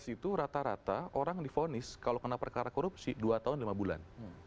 dua ribu itu rata rata orang difonis kalau kena perkara korupsi dua tahun lima bulan